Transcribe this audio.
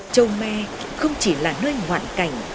châu me không chỉ là nơi ngoạn cảnh